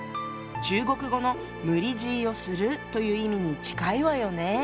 中国語の「無理強いをする」という意味に近いわよね。